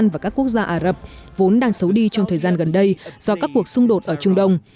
và các quốc gia ả rập vốn đang xấu đi trong thời gian gần đây do các cuộc xung đột ở trung đông